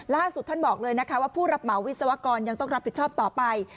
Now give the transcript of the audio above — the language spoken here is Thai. ล่าสุดท่านบอกเลยนะคะว่าผู้รับเหมาวิศวกรยังต้องรับผิดชอบต่อไป